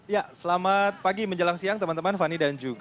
ya selamat pagi menjelang siang teman teman fani dan juga